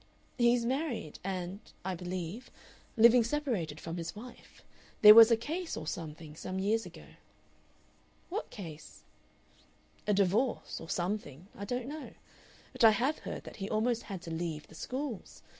"He's married and, I believe, living separated from his wife. There was a case, or something, some years ago." "What case?" "A divorce or something I don't know. But I have heard that he almost had to leave the schools.